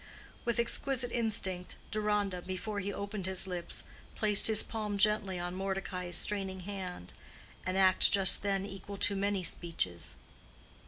With exquisite instinct, Deronda, before he opened his lips, placed his palm gently on Mordecai's straining hand—an act just then equal to many speeches.